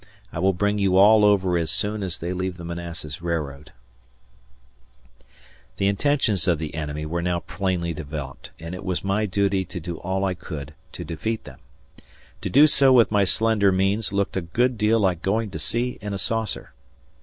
I will bring you all over as soon [as they leave the Manassas railroad]. The intentions of the enemy were now plainly developed, and it was my duty to do all I could to defeat them. To do so with my slender means looked a good deal like going to sea in a saucer.